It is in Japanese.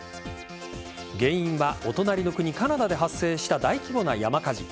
原因はお隣の国・カナダで発生した大規模な山火事。